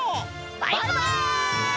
バイバイ！